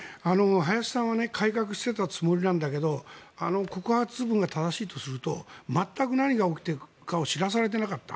林さんは改革していたつもりなんだけど告発文が正しいとすると全く何が起きているかを知らされていなかった。